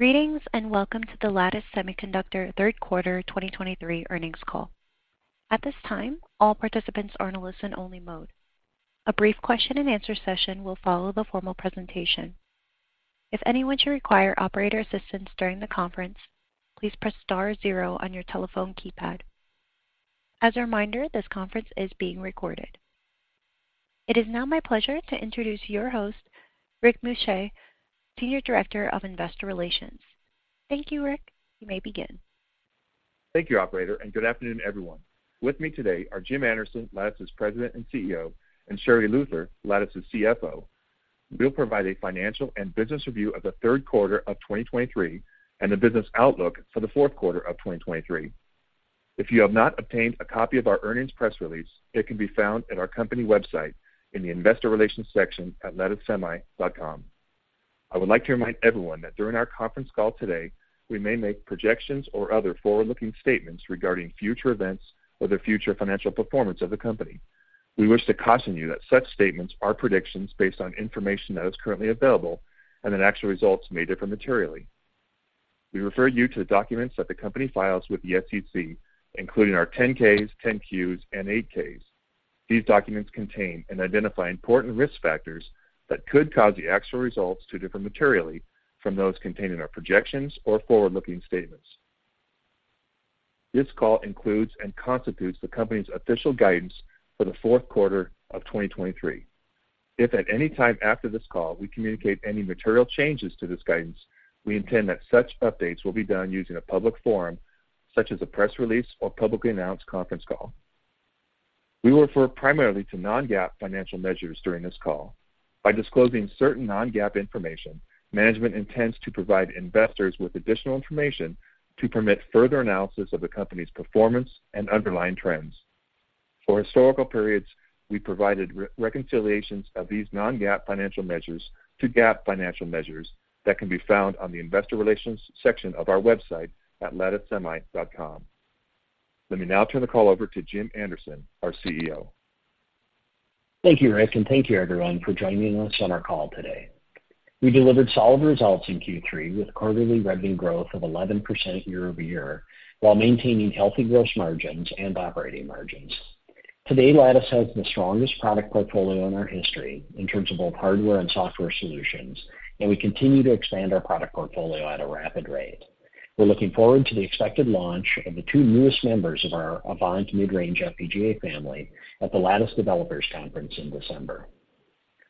Greetings, and welcome to the Lattice Semiconductor third quarter 2023 earnings call. At this time, all participants are in a listen-only mode. A brief question-and-answer session will follow the formal presentation. If anyone should require operator assistance during the conference, please press star zero on your telephone keypad. As a reminder, this conference is being recorded. It is now my pleasure to introduce your host, Rick Muscha, Senior Director of Investor Relations. Thank you, Rick. You may begin. Thank you, operator, and good afternoon, everyone. With me today are Jim Anderson, Lattice's President and CEO, and Sherri Luther, Lattice's CFO. We'll provide a financial and business review of the third quarter of 2023, and the business outlook for the fourth quarter of 2023. If you have not obtained a copy of our earnings press release, it can be found at our company website in the Investor Relations section at latticesemi.com. I would like to remind everyone that during our conference call today, we may make projections or other forward-looking statements regarding future events or the future financial performance of the company. We wish to caution you that such statements are predictions based on information that is currently available and that actual results may differ materially. We refer you to the documents that the company files with the SEC, including our 10-Ks, 10-Qs, and 8-Ks. These documents contain and identify important risk factors that could cause the actual results to differ materially from those contained in our projections or forward-looking statements. This call includes and constitutes the company's official guidance for the fourth quarter of 2023. If at any time after this call we communicate any material changes to this guidance, we intend that such updates will be done using a public forum, such as a press release or publicly announced conference call. We refer primarily to non-GAAP financial measures during this call. By disclosing certain non-GAAP information, management intends to provide investors with additional information to permit further analysis of the company's performance and underlying trends. For historical periods, we provided reconciliations of these non-GAAP financial measures to GAAP financial measures that can be found on the investor relations section of our website at latticesemi.com. Let me now turn the call over to Jim Anderson, our CEO. Thank you, Rick, and thank you everyone for joining us on our call today. We delivered solid results in Q3, with quarterly revenue growth of 11% year over year, while maintaining healthy gross margins and operating margins. Today, Lattice has the strongest product portfolio in our history in terms of both hardware and software solutions, and we continue to expand our product portfolio at a rapid rate. We're looking forward to the expected launch of the two newest members of our Avant mid-range FPGA family at the Lattice Developers Conference in December.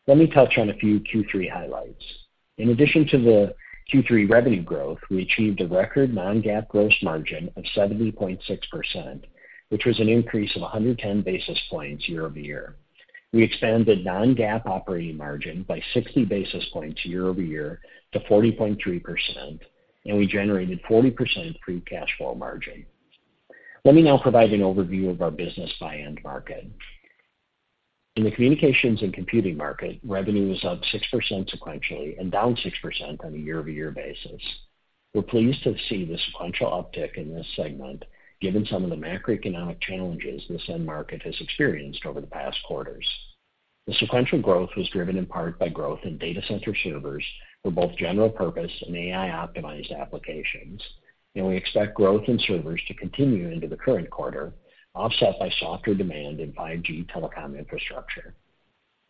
Let me touch on a few Q3 highlights. In addition to the Q3 revenue growth, we achieved a record Non-GAAP Gross Margin of 70.6%, which was an increase of 110 basis points year over year. We expanded Non-GAAP Operating Margin by 60 basis points year-over-year to 40.3%, and we generated 40% free cash flow margin. Let me now provide an overview of our business by end market. In the communications and computing market, revenue was up 6% sequentially and down 6% on a year-over-year basis. We're pleased to see the sequential uptick in this segment, given some of the macroeconomic challenges this end market has experienced over the past quarters. The sequential growth was driven in part by growth in data center servers for both general purpose and AI-optimized applications, and we expect growth in servers to continue into the current quarter, offset by softer demand in 5G telecom infrastructure.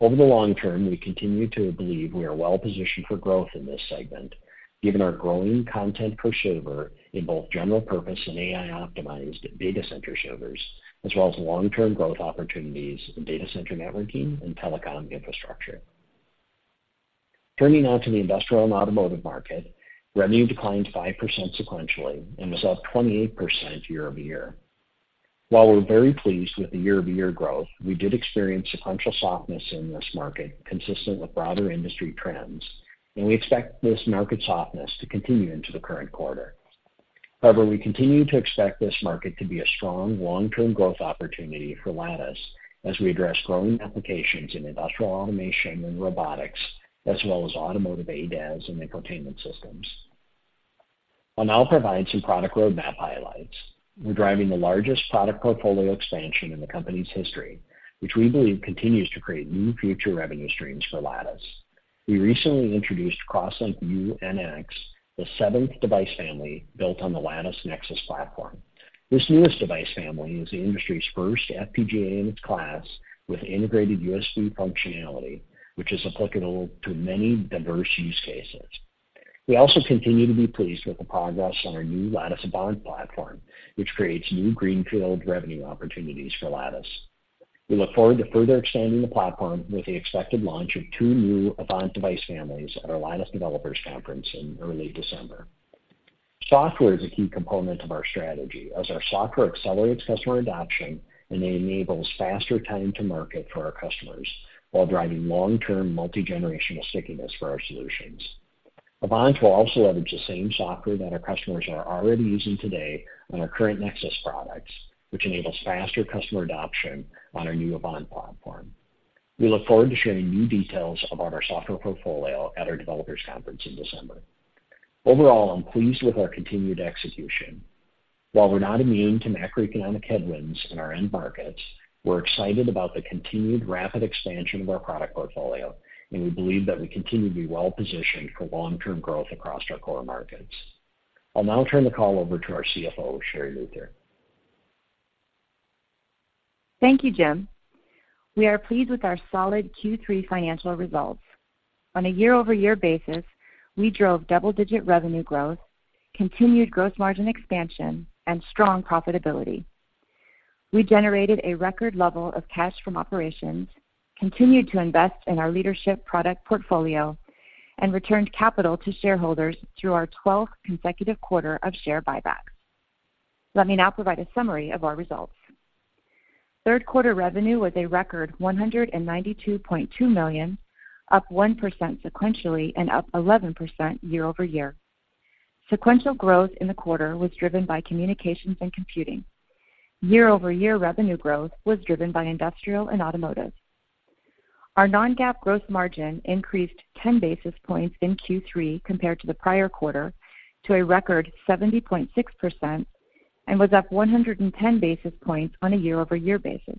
Over the long term, we continue to believe we are well positioned for growth in this segment, given our growing content per server in both general purpose and AI-optimized data center servers, as well as long-term growth opportunities in data center networking and telecom infrastructure. Turning now to the industrial and automotive market, revenue declined 5% sequentially and was up 28% year-over-year. While we're very pleased with the year-over-year growth, we did experience sequential softness in this market, consistent with broader industry trends, and we expect this market softness to continue into the current quarter. However, we continue to expect this market to be a strong long-term growth opportunity for Lattice as we address growing applications in industrial automation and robotics, as well as automotive ADAS and infotainment systems. I'll now provide some product roadmap highlights. We're driving the largest product portfolio expansion in the company's history, which we believe continues to create new future revenue streams for Lattice. We recently introduced CrossLinkU-NX, the seventh device family built on the Lattice Nexus platform. This newest device family is the industry's first FPGA in its class with integrated USB functionality, which is applicable to many diverse use cases. We also continue to be pleased with the progress on our new Lattice Avant platform, which creates new greenfield revenue opportunities for Lattice. We look forward to further expanding the platform with the expected launch of two new Avant device families at our Lattice Developers Conference in early December. Software is a key component of our strategy, as our software accelerates customer adoption and enables faster time to market for our customers, while driving long-term multi-generational stickiness for our solutions. Avant will also leverage the same software that our customers are already using today on our current Nexus products, which enables faster customer adoption on our new Avant platform. We look forward to sharing new details about our software portfolio at our Lattice Developers Conference in December. Overall, I'm pleased with our continued execution.... While we're not immune to macroeconomic headwinds in our end markets, we're excited about the continued rapid expansion of our product portfolio, and we believe that we continue to be well-positioned for long-term growth across our core markets. I'll now turn the call over to our CFO, Sherri Luther. Thank you, Jim. We are pleased with our solid Q3 financial results. On a year-over-year basis, we drove double-digit revenue growth, continued gross margin expansion, and strong profitability. We generated a record level of cash from operations, continued to invest in our leadership product portfolio, and returned capital to shareholders through our twelfth consecutive quarter of share buybacks. Let me now provide a summary of our results. Third quarter revenue was a record $192.2 million, up 1% sequentially and up 11% year-over-year. Sequential growth in the quarter was driven by communications and computing. Year-over-year revenue growth was driven by industrial and automotive. Our Non-GAAP Gross Margin increased 10 basis points in Q3 compared to the prior quarter to a record 70.6% and was up 110 basis points on a year-over-year basis.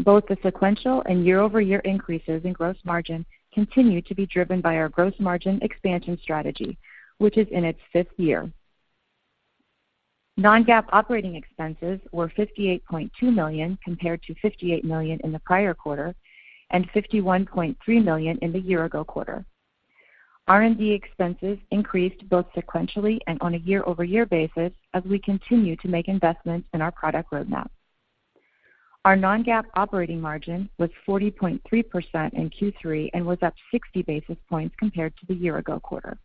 Both the sequential and year-over-year increases in gross margin continue to be driven by our gross margin expansion strategy, which is in its fifth year. Non-GAAP Operating Expenses were $58.2 million, compared to $58 million in the prior quarter, and $51.3 million in the year-ago quarter. R&D expenses increased both sequentially and on a year-over-year basis as we continue to make investments in our product roadmap. Our Non-GAAP Operating Margin was 40.3% in Q3 and was up 60 basis points compared to the year-ago quarter.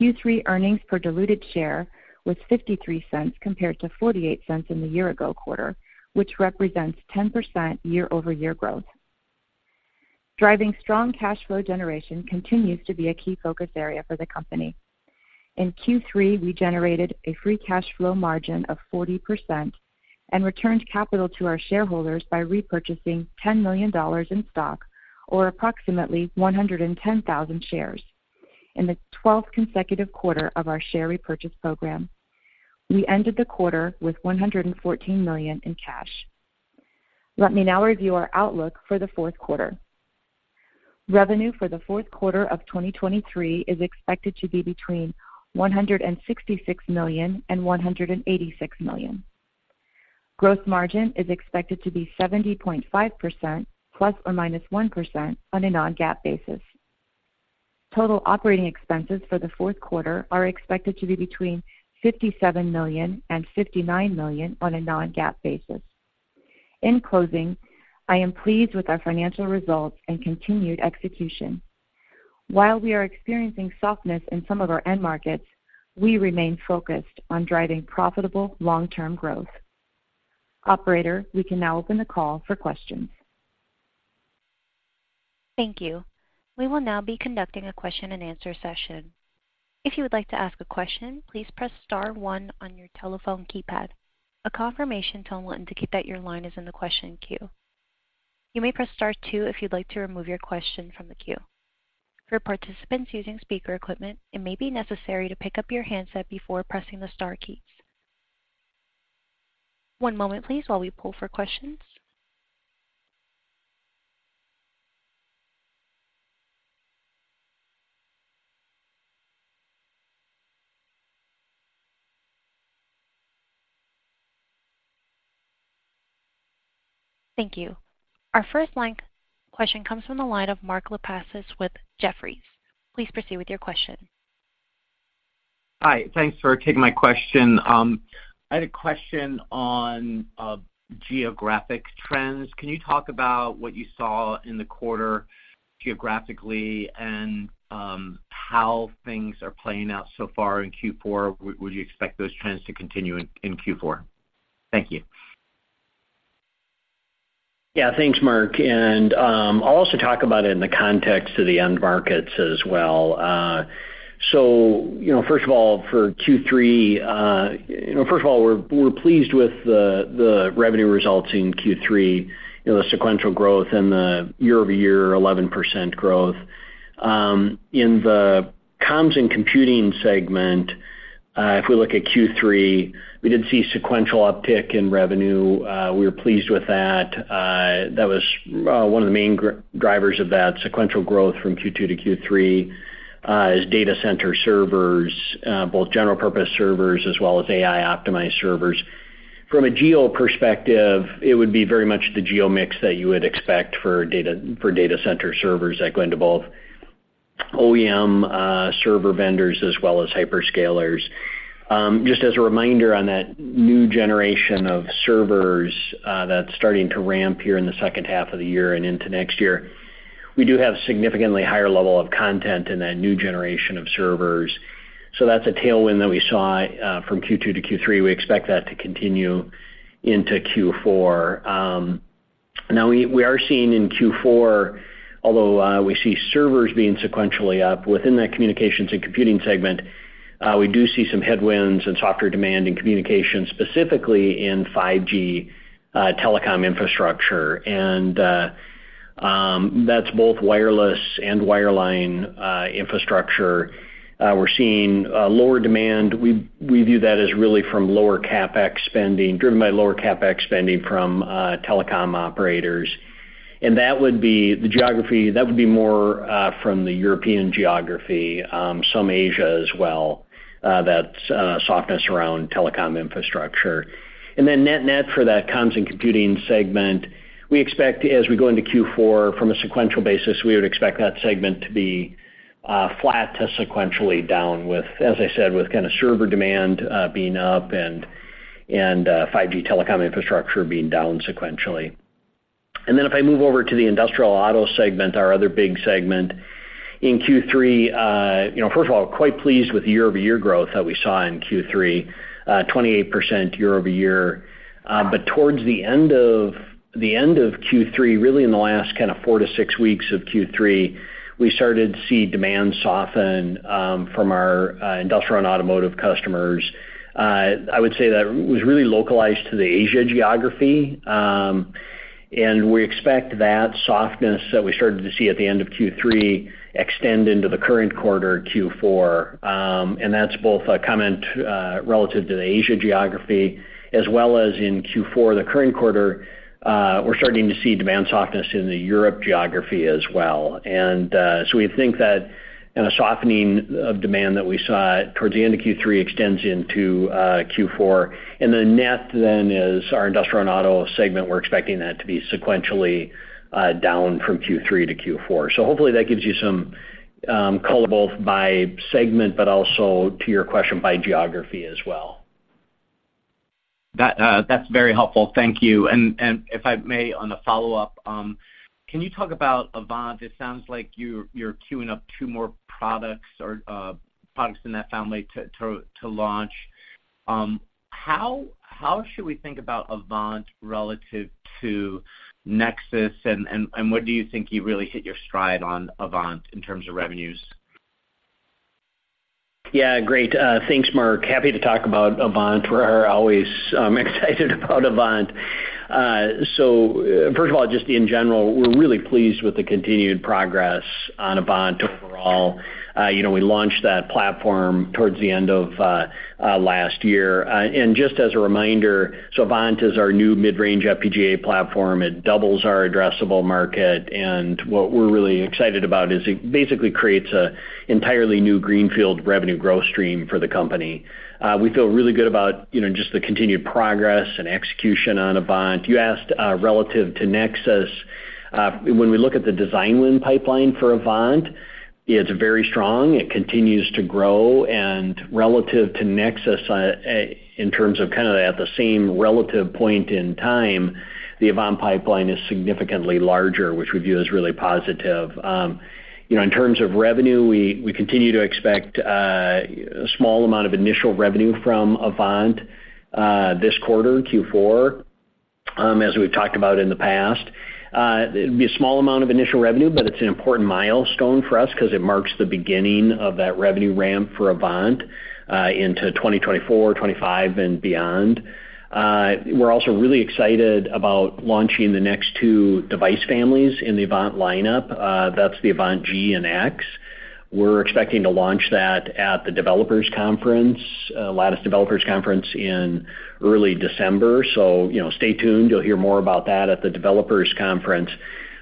Q3 earnings per diluted share was $0.53 compared to $0.48 in the year-ago quarter, which represents 10% year-over-year growth. Driving strong cash flow generation continues to be a key focus area for the company. In Q3, we generated a free cash flow margin of 40% and returned capital to our shareholders by repurchasing $10 million in stock, or approximately 110,000 shares, in the twelfth consecutive quarter of our share repurchase program. We ended the quarter with $114 million in cash. Let me now review our outlook for the fourth quarter. Revenue for the fourth quarter of 2023 is expected to be between $166 million and $186 million. Gross margin is expected to be 70.5%, ±1% on a non-GAAP basis. Total operating expenses for the fourth quarter are expected to be between $57 million and $59 million on a non-GAAP basis. In closing, I am pleased with our financial results and continued execution. While we are experiencing softness in some of our end markets, we remain focused on driving profitable long-term growth. Operator, we can now open the call for questions. Thank you. We will now be conducting a question-and-answer session. If you would like to ask a question, please press star one on your telephone keypad. A confirmation tone will indicate that your line is in the question queue. You may press star two if you'd like to remove your question from the queue. For participants using speaker equipment, it may be necessary to pick up your handset before pressing the star keys. One moment, please, while we pull for questions. Thank you. Our first line question comes from the line of Mark Lipacis with Jefferies. Please proceed with your question. Hi, thanks for taking my question. I had a question on geographic trends. Can you talk about what you saw in the quarter geographically and how things are playing out so far in Q4? Would you expect those trends to continue in Q4? Thank you. Yeah, thanks, Mark, and, I'll also talk about it in the context of the end markets as well. So, you know, first of all, for Q3, you know, first of all, we're pleased with the revenue results in Q3, you know, the sequential growth and the year-over-year 11% growth. In the comms and computing segment, if we look at Q3, we did see sequential uptick in revenue. We were pleased with that. That was one of the main drivers of that sequential growth from Q2 to Q3, is data center servers, both general purpose servers as well as AI-optimized servers. From a geo perspective, it would be very much the geo mix that you would expect for data, for data center servers that go into both OEM, server vendors as well as hyperscalers. Just as a reminder on that new generation of servers, that's starting to ramp here in the second half of the year and into next year, we do have significantly higher level of content in that new generation of servers, so that's a tailwind that we saw from Q2 to Q3. We expect that to continue into Q4. Now we, we are seeing in Q4, although we see servers being sequentially up, within that communications and computing segment, we do see some headwinds in software demand and communications, specifically in 5G telecom infrastructure. That's both wireless and wireline infrastructure. We're seeing lower demand. We, we view that as really from lower CapEx spending, driven by lower CapEx spending from telecom operators. That would be the geography, that would be more from the European geography, some Asia as well, that's softness around telecom infrastructure. Then net-net for that comms and computing segment, we expect as we go into Q4, from a sequential basis, we would expect that segment to be flat to sequentially down with, as I said, with kind of server demand being up and 5G telecom infrastructure being down sequentially. Then if I move over to the industrial auto segment, our other big segment. In Q3, you know, first of all, quite pleased with the year-over-year growth that we saw in Q3, 28% year-over-year. But towards the end of the end of Q3, really in the last kind of 4-6 weeks of Q3, we started to see demand soften from our industrial and automotive customers. I would say that was really localized to the Asia geography. And we expect that softness that we started to see at the end of Q3 extend into the current quarter, Q4. And that's both a comment relative to the Asia geography as well as in Q4, the current quarter, we're starting to see demand softness in the Europe geography as well. And so we think that in a softening of demand that we saw towards the end of Q3 extends into Q4. And the net then is our industrial and auto segment, we're expecting that to be sequentially down from Q3 to Q4. So hopefully, that gives you some color, both by segment, but also to your question, by geography as well. That, that's very helpful. Thank you. And if I may, on a follow-up, can you talk about Avant? It sounds like you're queuing up two more products or products in that family to launch. How should we think about Avant relative to Nexus? And when do you think you really hit your stride on Avant in terms of revenues? Yeah, great. Thanks, Mark. Happy to talk about Avant. We're always excited about Avant. So first of all, just in general, we're really pleased with the continued progress on Avant overall. You know, we launched that platform towards the end of last year. And just as a reminder, so Avant is our new mid-range FPGA platform. It doubles our addressable market, and what we're really excited about is it basically creates a entirely new greenfield revenue growth stream for the company. We feel really good about, you know, just the continued progress and execution on Avant. You asked relative to Nexus. When we look at the design win pipeline for Avant, it's very strong. It continues to grow and relative to Nexus, in terms of kind of at the same relative point in time, the Avant pipeline is significantly larger, which we view as really positive. You know, in terms of revenue, we, we continue to expect, a small amount of initial revenue from Avant, this quarter, Q4. As we've talked about in the past, it'd be a small amount of initial revenue, but it's an important milestone for us because it marks the beginning of that revenue ramp for Avant, into 2024, 2025, and beyond. We're also really excited about launching the next two device families in the Avant lineup. That's the Avant-G and Avant-X. We're expecting to launch that at the Lattice Developers Conference in early December. So, you know, stay tuned. You'll hear more about that at the Developers Conference.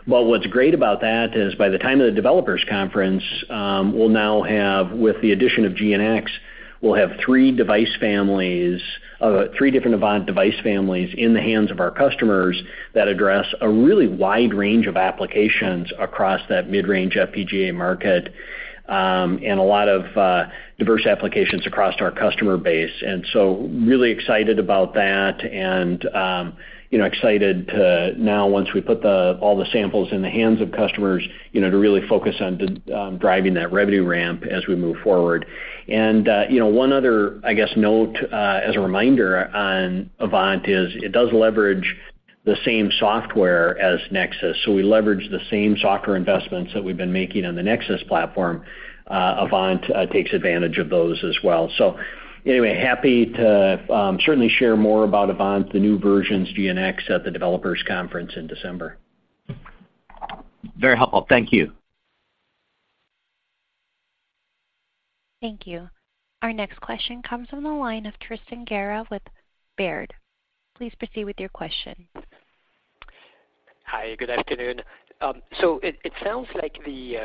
But what's great about that is by the time of the Developers Conference, we'll now have, with the addition of G and X, we'll have three device families, three different Avant device families in the hands of our customers that address a really wide range of applications across that mid-range FPGA market, and a lot of diverse applications across our customer base. And so really excited about that and, you know, excited to now, once we put all the samples in the hands of customers, you know, to really focus on the driving that revenue ramp as we move forward. And, you know, one other, I guess, note, as a reminder on Avant is, it does leverage the same software as Nexus. So we leverage the same software investments that we've been making on the Nexus platform. Avant takes advantage of those as well. So anyway, happy to certainly share more about Avant, the new versions, G and X, at the Developers Conference in December. Very helpful. Thank you. Thank you. Our next question comes from the line of Tristan Gerra with Baird. Please proceed with your question. Hi, good afternoon. So it sounds like the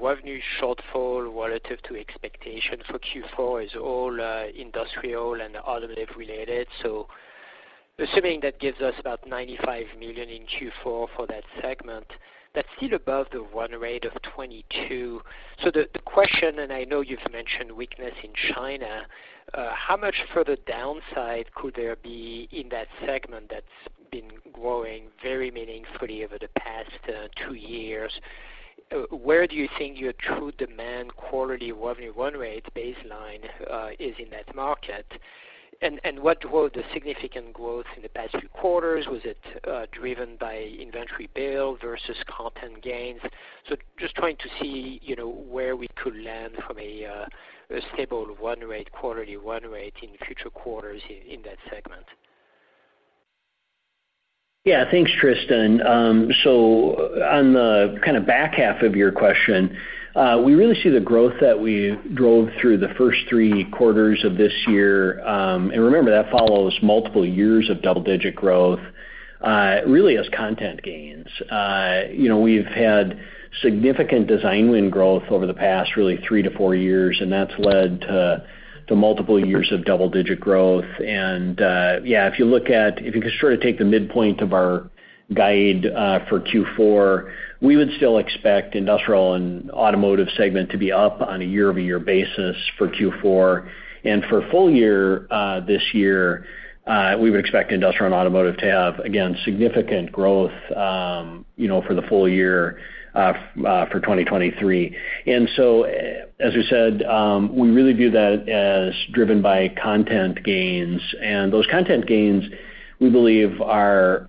revenue shortfall relative to expectation for Q4 is all industrial and automotive related. So assuming that gives us about $95 million in Q4 for that segment, that's still above the run rate of ~$92 million. So the question, and I know you've mentioned weakness in China, how much further downside could there be in that segment that's been growing very meaningfully over the past two years? Where do you think your true demand quarterly revenue run rate baseline is in that market? And what were the significant growth in the past few quarters? Was it driven by inventory build versus content gains? So just trying to see, you know, where we could land from a stable run rate, quarterly run rate in future quarters in that segment. ... Yeah, thanks, Tristan. So on the kind of back half of your question, we really see the growth that we drove through the first three quarters of this year, and remember, that follows multiple years of double-digit growth, really as content gains. You know, we've had significant design win growth over the past, really, three to four years, and that's led to multiple years of double-digit growth. And yeah, if you look at—if you just sort of take the midpoint of our guide, for Q4, we would still expect industrial and automotive segment to be up on a year-over-year basis for Q4. And for full year, this year, we would expect industrial and automotive to have, again, significant growth, you know, for the full year, for 2023. And so, as we said, we really view that as driven by content gains. And those content gains, we believe are,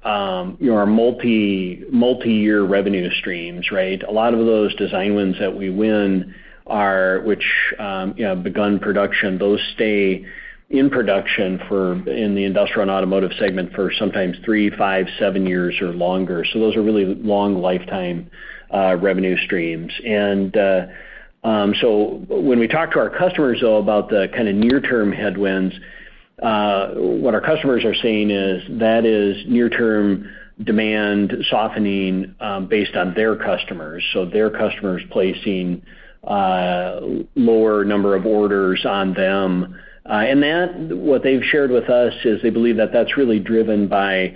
you know, are multi-year revenue streams, right? A lot of those design wins that we win are, which, you know, begun production, those stay in production for, in the industrial and automotive segment for sometimes three, five, seven years or longer. So those are really long lifetime revenue streams. And, so when we talk to our customers, though, about the kind of near-term headwinds, what our customers are saying is that is near-term demand softening, based on their customers, so their customers placing, lower number of orders on them. That, what they've shared with us, is they believe that that's really driven by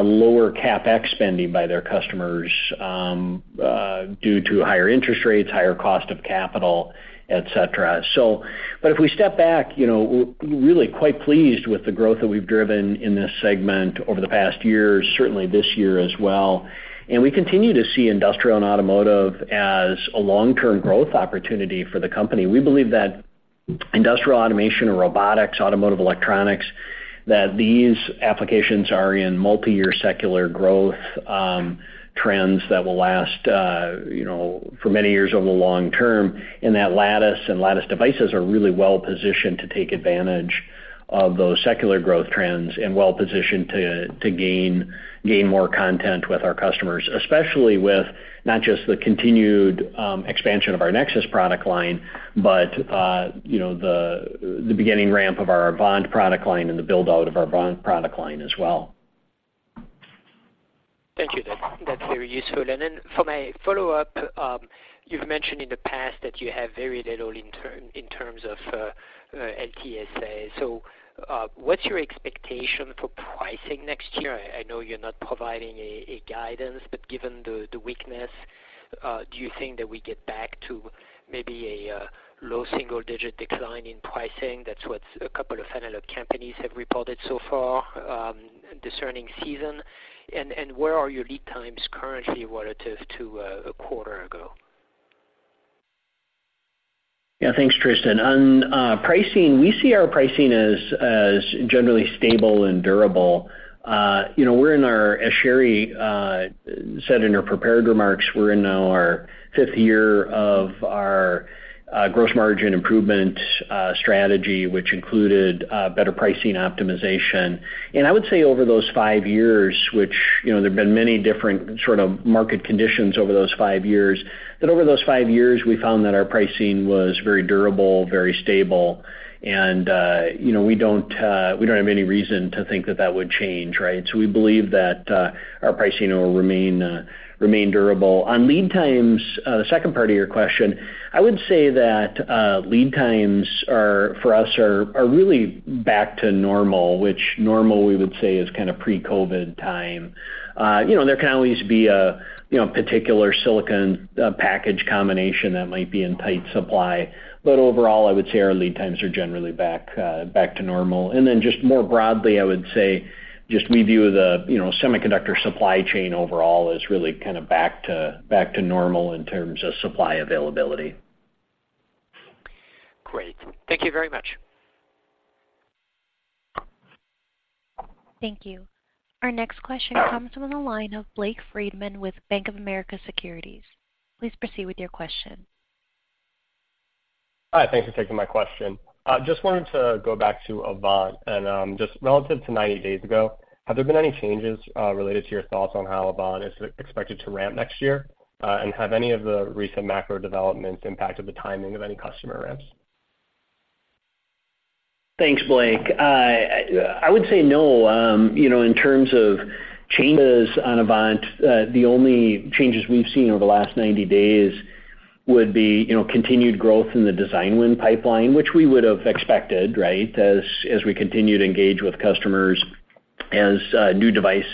lower CapEx spending by their customers due to higher interest rates, higher cost of capital, et cetera. So, but if we step back, you know, we're really quite pleased with the growth that we've driven in this segment over the past years, certainly this year as well. And we continue to see industrial and automotive as a long-term growth opportunity for the company. We believe that industrial automation and robotics, automotive electronics, that these applications are in multiyear secular growth trends that will last, you know, for many years over the long term, and that Lattice and Lattice devices are really well positioned to take advantage of those secular growth trends and well positioned to gain more content with our customers, especially with not just the continued expansion of our Nexus product line, but you know, the beginning ramp of our Avant product line and the build-out of our Avant product line as well. Thank you. That's, that's very useful. And then for my follow-up, you've mentioned in the past that you have very little in terms of LTSA. So, what's your expectation for pricing next year? I know you're not providing a guidance, but given the weakness, do you think that we get back to maybe a low single-digit decline in pricing? That's what a couple of analog companies have reported so far, this earnings season. And where are your lead times currently relative to a quarter ago? Yeah, thanks, Tristan. On pricing, we see our pricing as generally stable and durable. You know, we're in our, as Sherri said in her prepared remarks, we're in our fifth year of our gross margin improvement strategy, which included better pricing optimization. And I would say over those five years, which, you know, there have been many different sort of market conditions over those five years, that over those five years, we found that our pricing was very durable, very stable, and, you know, we don't, we don't have any reason to think that that would change, right? So we believe that our pricing will remain durable. On lead times, the second part of your question, I would say that lead times are, for us, really back to normal, which normal, we would say, is kind of pre-COVID time. You know, there can always be a you know, particular silicon package combination that might be in tight supply, but overall, I would say our lead times are generally back back to normal. And then just more broadly, I would say just we view the you know, semiconductor supply chain overall as really kind of back to back to normal in terms of supply availability. Great. Thank you very much. Thank you. Our next question comes from the line of Blake Friedman with Bank of America Securities. Please proceed with your question. Hi, thanks for taking my question. I just wanted to go back to Avant. And just relative to 90 days ago, have there been any changes related to your thoughts on how Avant is expected to ramp next year? And have any of the recent macro developments impacted the timing of any customer ramps? Thanks, Blake. I would say no. You know, in terms of changes on Avant, the only changes we've seen over the last 90 days would be, you know, continued growth in the design win pipeline, which we would have expected, right, as we continue to engage with customers as new device,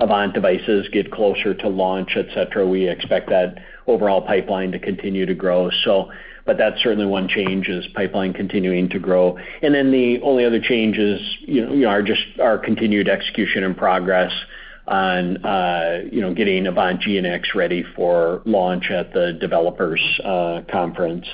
Avant devices get closer to launch, et cetera, we expect that overall pipeline to continue to grow. So, but that's certainly one change, is pipeline continuing to grow. And then the only other changes, you know, are just our continued execution and progress on, you know, getting Avant-G and Avant-X ready for launch at the Developers Conference.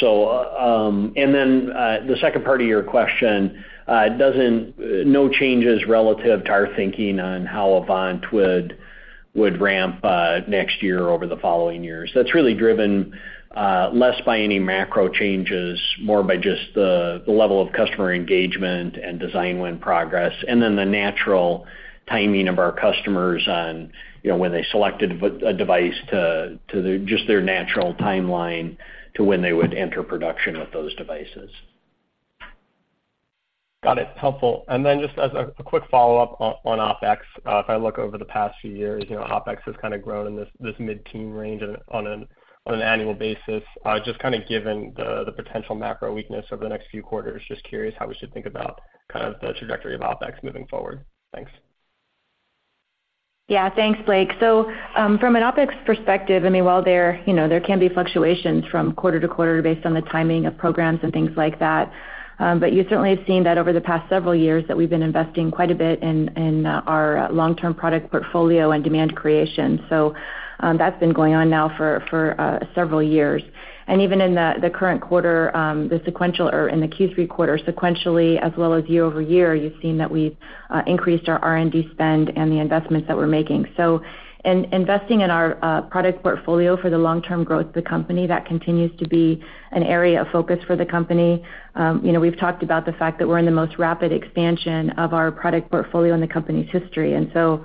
So, and then, the second part of your question, doesn't, no changes relative to our thinking on how Avant would ramp, next year over the following years. That's really driven less by any macro changes, more by just the level of customer engagement and design win progress, and then the natural timing of our customers on, you know, when they selected a device to just their natural timeline to when they would enter production with those devices. Got it. Helpful. And then just as a quick follow-up on OpEx, if I look over the past few years, you know, OpEx has kind of grown in this mid-teen range on an annual basis. Just kind of given the potential macro weakness over the next few quarters, just curious how we should think about kind of the trajectory of OpEx moving forward. Thanks. Yeah. Thanks, Blake. So, from an OpEx perspective, I mean, while there, you know, there can be fluctuations from quarter to quarter based on the timing of programs and things like that. But you certainly have seen that over the past several years, that we've been investing quite a bit in our long-term product portfolio and demand creation. So, that's been going on now for several years. And even in the current quarter, the sequential, or in the Q3 quarter, sequentially, as well as year-over-year, you've seen that we've increased our R&D spend and the investments that we're making. So in investing in our product portfolio for the long-term growth of the company, that continues to be an area of focus for the company. You know, we've talked about the fact that we're in the most rapid expansion of our product portfolio in the company's history. And so,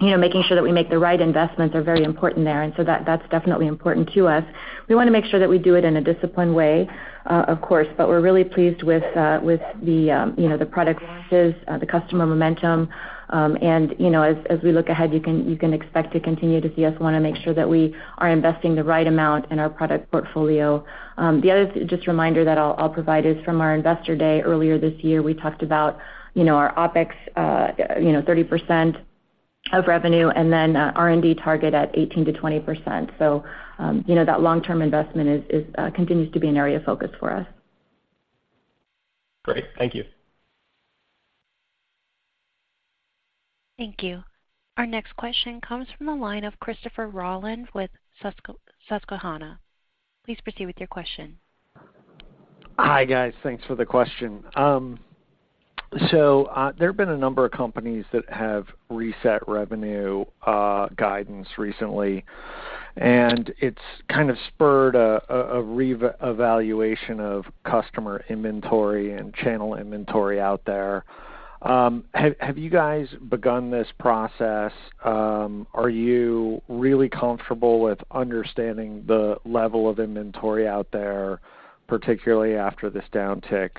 you know, making sure that we make the right investments are very important there, and so that's definitely important to us. We wanna make sure that we do it in a disciplined way, of course, but we're really pleased with, with the, you know, the product launches, the customer momentum. And, you know, as we look ahead, you can expect to continue to see us want to make sure that we are investing the right amount in our product portfolio. The other just reminder that I'll, I'll provide is from our Investor Day earlier this year, we talked about, you know, our OpEx, you know, 30% of revenue and then, R&D target at 18%-20%. So, you know, that long-term investment is, is, continues to be an area of focus for us. Great. Thank you. Thank you. Our next question comes from the line of Christopher Rolland with Susquehanna. Please proceed with your question. Hi, guys. Thanks for the question. There have been a number of companies that have reset revenue guidance recently, and it's kind of spurred a re-evaluation of customer inventory and channel inventory out there. Have you guys begun this process? Are you really comfortable with understanding the level of inventory out there, particularly after this downtick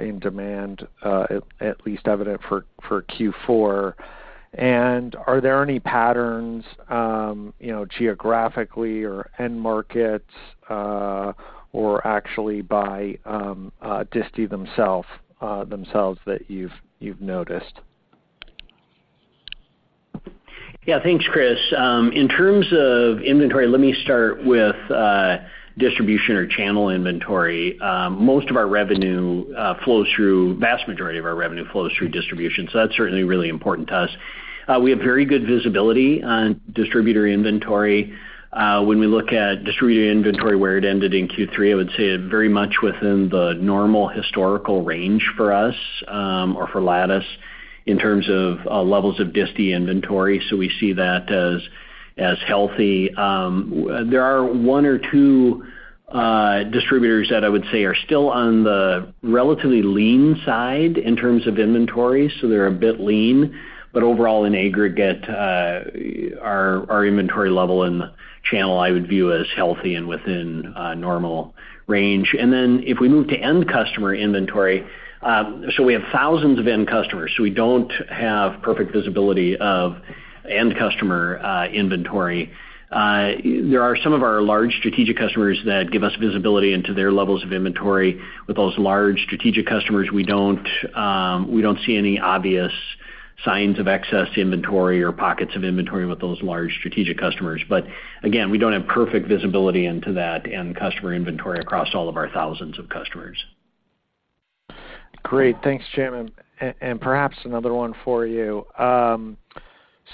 in demand at least evident for Q4? And are there any patterns, you know, geographically or end markets, or actually by disti themselves that you've noticed? Yeah. Thanks, Chris. In terms of inventory, let me start with distribution or channel inventory. Most of our revenue flows through, vast majority of our revenue flows through distribution, so that's certainly really important to us. We have very good visibility on distributor inventory. When we look at distributor inventory, where it ended in Q3, I would say very much within the normal historical range for us, or for Lattice, in terms of levels of disti inventory. So we see that as healthy. There are one or two distributors that I would say are still on the relatively lean side in terms of inventory, so they're a bit lean. But overall, in aggregate, our inventory level in the channel, I would view as healthy and within normal range. Then, if we move to end customer inventory, we have thousands of end customers, so we don't have perfect visibility of end customer inventory. There are some of our large strategic customers that give us visibility into their levels of inventory. With those large strategic customers, we don't, we don't see any obvious signs of excess inventory or pockets of inventory with those large strategic customers. But again, we don't have perfect visibility into that end customer inventory across all of our thousands of customers. Great. Thanks, Jim. And, and perhaps another one for you.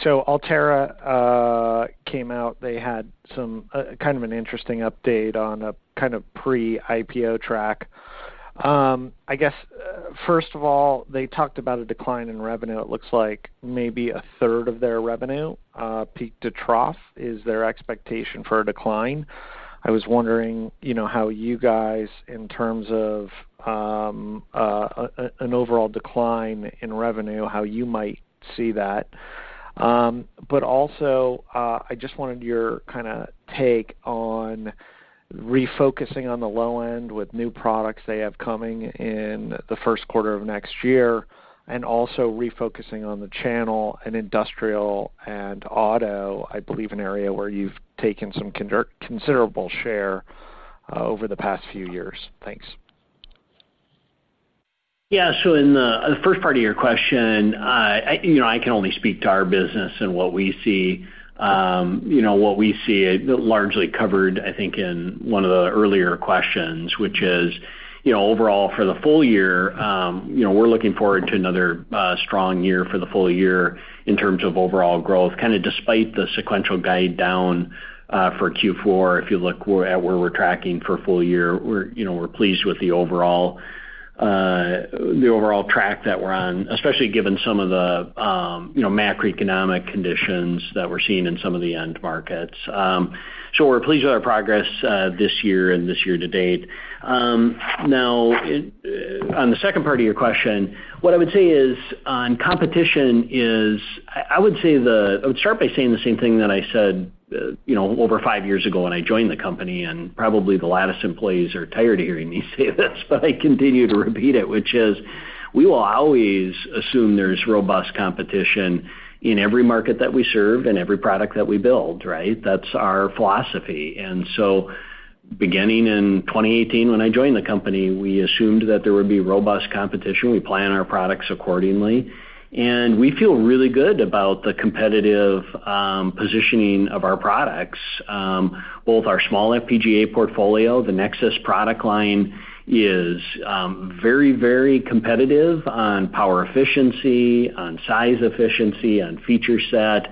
So Altera came out. They had some kind of an interesting update on a kind of pre-IPO track. I guess, first of all, they talked about a decline in revenue. It looks like maybe a third of their revenue, peak to trough, is their expectation for a decline. I was wondering, you know, how you guys, in terms of, an overall decline in revenue, how you might see that? But also, I just wanted your kind of take on refocusing on the low end with new products they have coming in the first quarter of next year, and also refocusing on the channel and industrial and auto, I believe, an area where you've taken some considerable share, over the past few years. Thanks. Yeah. So in the first part of your question, you know, I can only speak to our business and what we see. You know, what we see largely covered, I think, in one of the earlier questions, which is, you know, overall, for the full year, you know, we're looking forward to another strong year for the full year in terms of overall growth. Kind of despite the sequential guide down for Q4, if you look at where we're tracking for full year, you know, we're pleased with the overall track that we're on, especially given some of the, you know, macroeconomic conditions that we're seeing in some of the end markets. So we're pleased with our progress this year and this year to date. Now, on the second part of your question, what I would say is, on competition, I would start by saying the same thing that I said, you know, over five years ago when I joined the company, and probably the Lattice employees are tired of hearing me say this, but I continue to repeat it, which is, we will always assume there's robust competition in every market that we serve and every product that we build, right? That's our philosophy. So beginning in 2018, when I joined the company, we assumed that there would be robust competition. We plan our products accordingly, and we feel really good about the competitive positioning of our products. Both our small FPGA portfolio, the Nexus product line, is very, very competitive on power efficiency, on size efficiency, on feature set.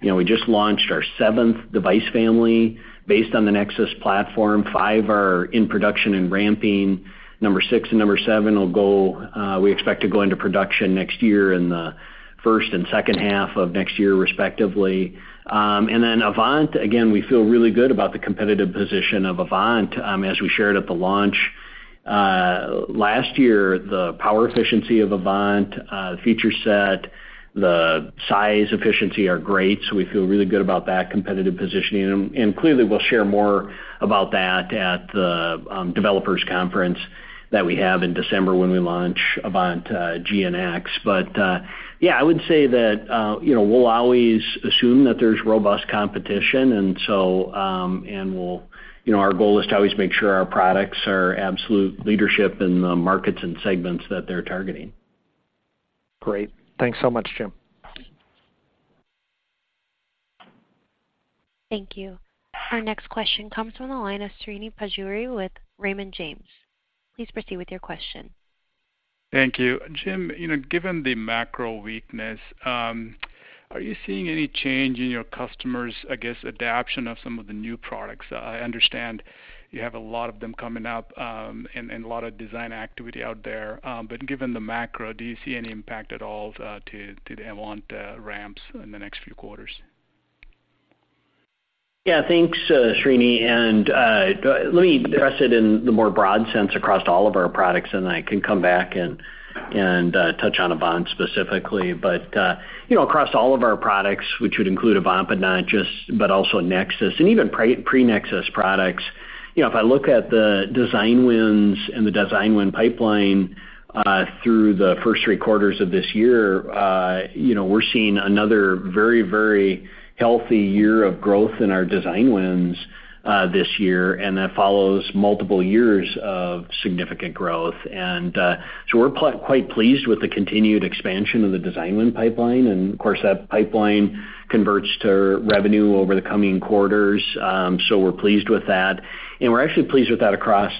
You know, we just launched our seventh device family based on the Nexus platform. Five are in production and ramping. Number six and number seven will go, we expect to go into production next year in the first and second half of next year, respectively. And then Avant, again, we feel really good about the competitive position of Avant. As we shared at the launch last year, the power efficiency of Avant, the feature set, the size efficiency are great, so we feel really good about that competitive positioning. And clearly, we'll share more about that at the developers' conference that we have in December when we launch Avant-G and Avant-X. Yeah, I would say that, you know, we'll always assume that there's robust competition, and so, you know, our goal is to always make sure our products are absolute leadership in the markets and segments that they're targeting. Great. Thanks so much, Jim. Thank you. Our next question comes from the line of Srini Pajjuri with Raymond James. Please proceed with your question. Thank you. Jim, you know, given the macro weakness, are you seeing any change in your customers', I guess, adoption of some of the new products? I understand you have a lot of them coming up, and a lot of design activity out there, but given the macro, do you see any impact at all, to the Avant ramps in the next few quarters? Yeah, thanks, Srini, and, let me address it in the more broad sense across all of our products, and I can come back and, and, touch on Avant specifically. But, you know, across all of our products, which would include Avant, but not just, but also Nexus, and even pre-Nexus products, you know, if I look at the design wins and the design win pipeline, through the first three quarters of this year, you know, we're seeing another very, very healthy year of growth in our design wins, this year, and that follows multiple years of significant growth. And, so we're quite pleased with the continued expansion of the design win pipeline. And of course, that pipeline converts to revenue over the coming quarters, so we're pleased with that. We're actually pleased with that across,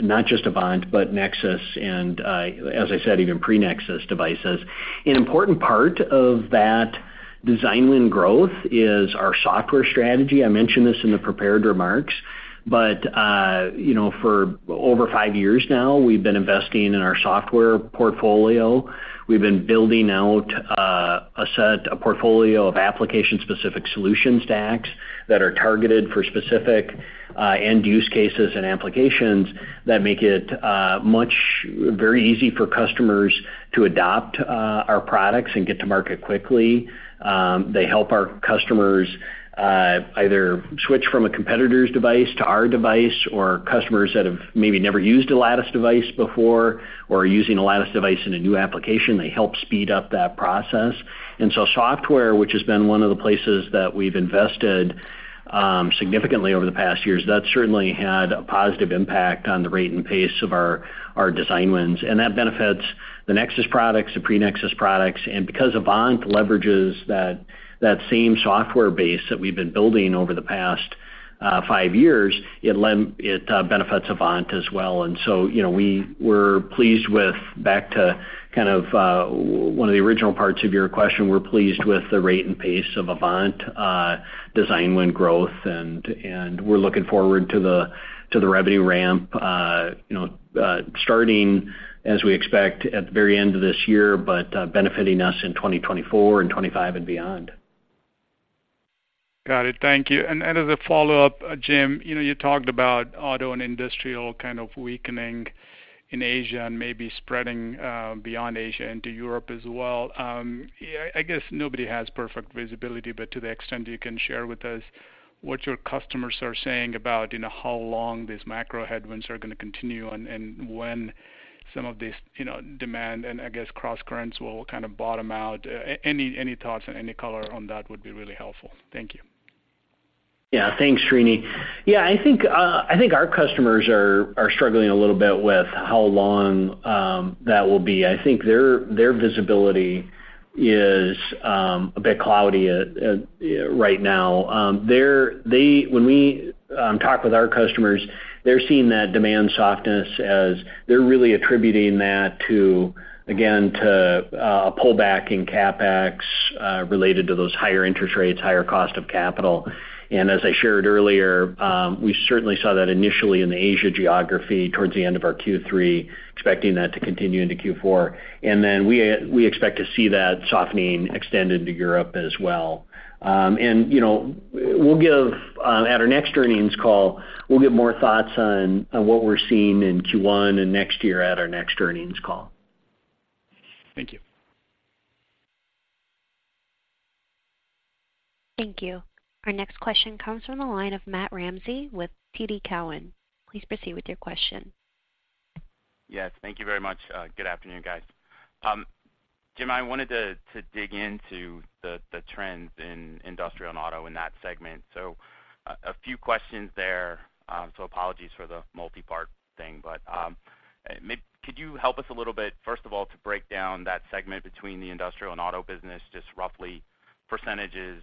not just Avant, but Nexus and, as I said, even pre-Nexus devices. An important part of that design win growth is our software strategy. I mentioned this in the prepared remarks, but, you know, for over five years now, we've been investing in our software portfolio. We've been building out a portfolio of application-specific solution stacks that are targeted for specific end-use cases and applications that make it much very easy for customers to adopt our products and get to market quickly. They help our customers either switch from a competitor's device to our device, or customers that have maybe never used a Lattice device before or are using a Lattice device in a new application, they help speed up that process. And so software, which has been one of the places that we've invested significantly over the past years, that certainly had a positive impact on the rate and pace of our design wins. And that benefits the Nexus products, the pre-Nexus products, and because Avant leverages that same software base that we've been building over the past five years, it benefits Avant as well. And so, you know, we were pleased with, back to kind of one of the original parts of your question, we're pleased with the rate and pace of Avant design win growth, and we're looking forward to the revenue ramp, you know, starting, as we expect, at the very end of this year, but benefiting us in 2024 and 2025 and beyond. Got it. Thank you. As a follow-up, Jim, you know, you talked about auto and industrial kind of weakening in Asia and maybe spreading beyond Asia into Europe as well. I guess nobody has perfect visibility, but to the extent you can share with us what your customers are saying about, you know, how long these macro headwinds are gonna continue and when some of these, you know, demand, and I guess, crosscurrents will kind of bottom out. Any thoughts or any color on that would be really helpful. Thank you. Yeah. Thanks, Srini. Yeah, I think I think our customers are struggling a little bit with how long that will be. I think their visibility is a bit cloudy right now. They, when we talk with our customers, they're seeing that demand softness as they're really attributing that to, again, to a pullback in CapEx related to those higher interest rates, higher cost of capital. And as I shared earlier, we certainly saw that initially in the Asia geography towards the end of our Q3, expecting that to continue into Q4. And then we expect to see that softening extend into Europe as well. And, you know, we'll give... At our next earnings call, we'll give more thoughts on what we're seeing in Q1 and next year at our next earnings call. Thank you. Thank you. Our next question comes from the line of Matt Ramsay with TD Cowen. Please proceed with your question. Yes, thank you very much. Good afternoon, guys. Jim, I wanted to dig into the trends in industrial and auto in that segment. So a few questions there. So apologies for the multipart thing, but could you help us a little bit, first of all, to break down that segment between the industrial and auto business, just roughly percentages?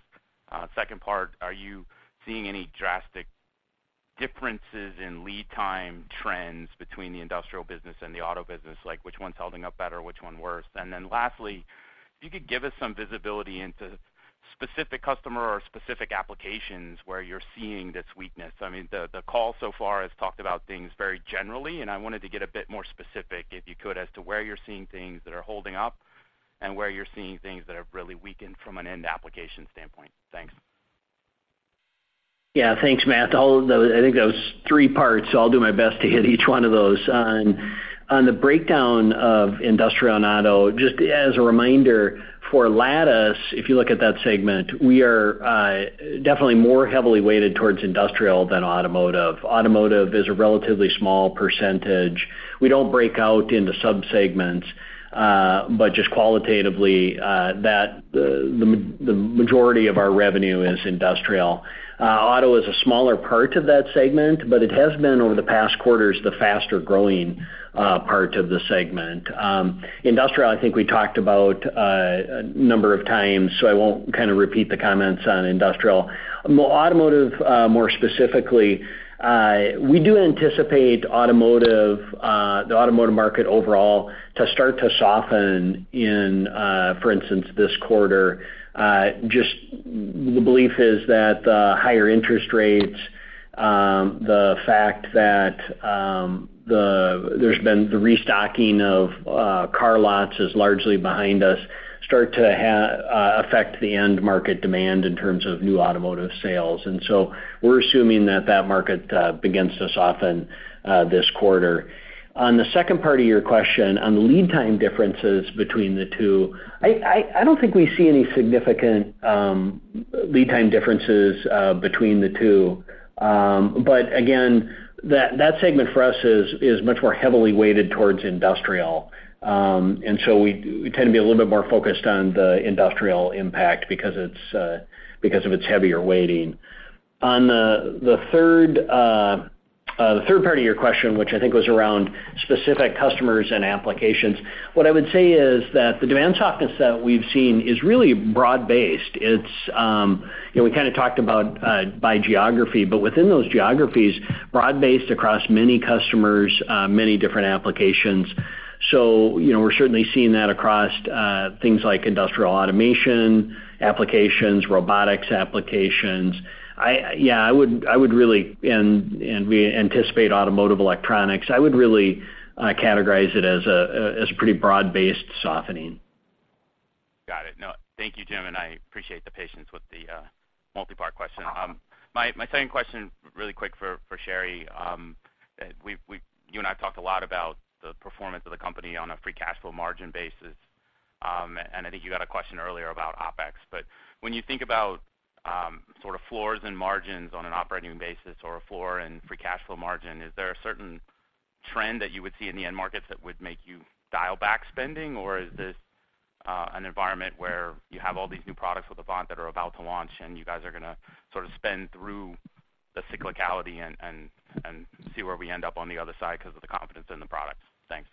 Second part, are you seeing any drastic differences in lead time trends between the industrial business and the auto business? Like, which one's holding up better, which one worse? And then lastly, if you could give us some visibility into specific customer or specific applications where you're seeing this weakness. I mean, the call so far has talked about things very generally, and I wanted to get a bit more specific, if you could, as to where you're seeing things that are holding up and where you're seeing things that have really weakened from an end application standpoint. Thanks. Yeah. Thanks, Matt. All of those, I think that was three parts, so I'll do my best to hit each one of those. On the breakdown of industrial and auto, just as a reminder, for Lattice, if you look at that segment, we are definitely more heavily weighted towards industrial than automotive. Automotive is a relatively small percentage. We don't break out into subsegments, but just qualitatively, that the majority of our revenue is industrial. Auto is a smaller part of that segment, but it has been, over the past quarters, the faster-growing part of the segment. Industrial, I think we talked about a number of times, so I won't kind of repeat the comments on industrial. Automotive, more specifically, we do anticipate the automotive market overall to start to soften in, for instance, this quarter. Just the belief is that the higher interest rates, the fact that the restocking of car lots is largely behind us start to affect the end market demand in terms of new automotive sales. And so we're assuming that that market begins to soften this quarter. On the second part of your question, on the lead time differences between the two, I don't think we see any significant lead time differences between the two. But again, that segment for us is much more heavily weighted towards industrial. And so we, we tend to be a little bit more focused on the industrial impact because it's because of its heavier weighting. On the, the third, the third part of your question, which I think was around specific customers and applications, what I would say is that the demand softness that we've seen is really broad-based. It's, you know, we kind of talked about by geography, but within those geographies, broad-based across many customers, many different applications. So, you know, we're certainly seeing that across things like industrial automation applications, robotics applications. I- yeah, I would, I would really... And, and we anticipate automotive electronics. I would really categorize it as a, as a pretty broad-based softening. Got it. No, thank you, Jim, and I appreciate the patience with the multipart question. Uh-huh. My second question, really quick for Sherri. We've you and I have talked a lot about the performance of the company on a free cash flow margin basis, and I think you got a question earlier about OpEx. But when you think about sort of floors and margins on an operating basis or a floor and free cash flow margin, is there a certain trend that you would see in the end markets that would make you dial back spending? Or is this an environment where you have all these new products with Avant that are about to launch, and you guys are gonna sort of spend through the cyclicality and see where we end up on the other side because of the confidence in the products? Thanks.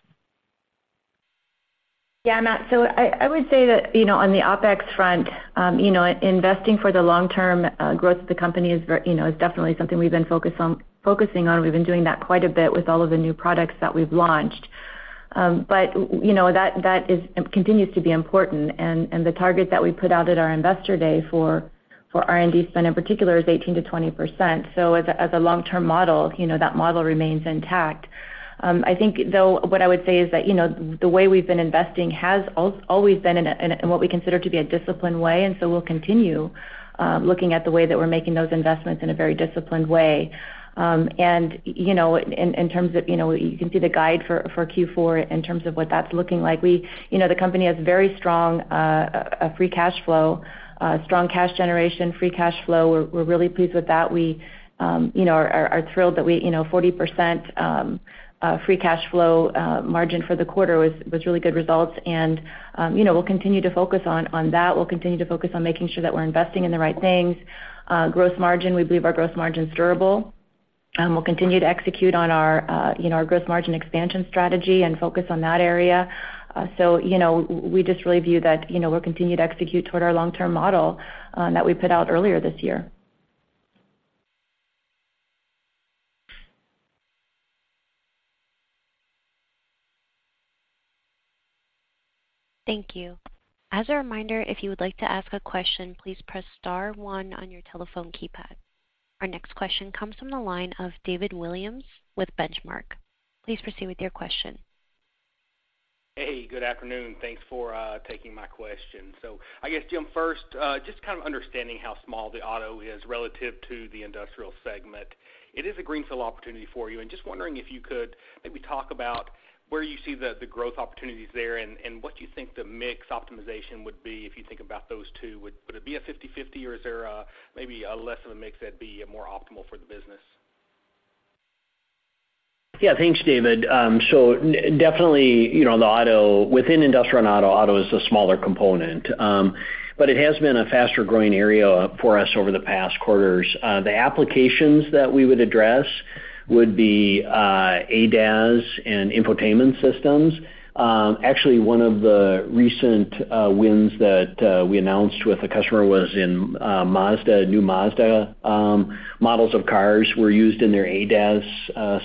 Thank you. As a reminder, if you would like to ask a question, please press star one on your telephone keypad. Our next question comes from the line of David Williams with Benchmark. Please proceed with your question. Hey, good afternoon. Thanks for taking my question. So I guess, Jim, first, just kind of understanding how small the auto is relative to the industrial segment. It is a greenfield opportunity for you, and just wondering if you could maybe talk about where you see the growth opportunities there and what you think the mix optimization would be if you think about those two. Would it be a 50/50, or is there maybe a less of a mix that'd be more optimal for the business?... Yeah, thanks, David. So definitely, you know, the auto, within industrial and auto, auto is a smaller component. But it has been a faster-growing area for us over the past quarters. The applications that we would address would be ADAS and infotainment systems. Actually, one of the recent wins that we announced with a customer was in Mazda. New Mazda models of cars were used in their ADAS